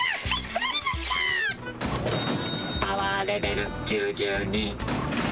「パワーレベル９２」。